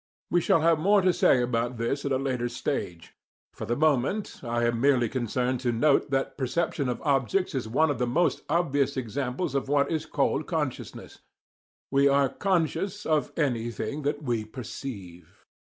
We shall have more to say about this at a later stage. For the moment, I am merely concerned to note that perception of objects is one of the most obvious examples of what is called "consciousness." We are "conscious" of anything that we perceive.